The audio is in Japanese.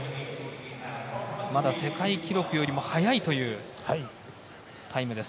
まだ世界記録よりも速いというタイムです。